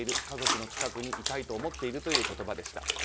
家族の近くにいたいと思っているという言葉でした。